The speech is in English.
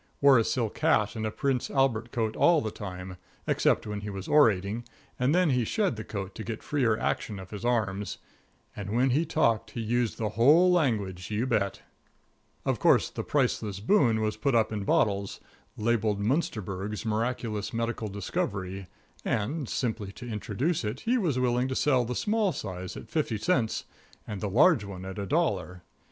Wore a silk hat and a Prince Albert coat all the time, except when he was orating, and then he shed the coat to get freer action with his arms. And when he talked he used the whole language, you bet. [Illustration: "Herr Doctor Paracelsus Von Munsterberg was a pretty high toned article."] Of course, the Priceless Boon was put up in bottles, labeled Munsterberg's Miraculous Medical Discovery, and, simply to introduce it, he was willing to sell the small size at fifty cents and the large one at a dollar.